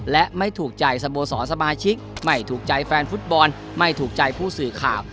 และไม่ถูกใจสโมสรสมาชิกไม่ถูกใจแฟนฟุตบอลไม่ถูกใจผู้สื่อข่าว